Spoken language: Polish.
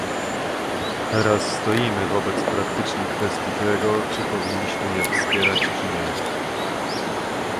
Teraz stoimy wobec praktycznej kwestii tego, czy powinniśmy je wspierać, czy nie